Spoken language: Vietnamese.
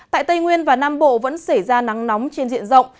tại tây nguyên và nam bộ vẫn xảy ra nắng nóng trên diện rộng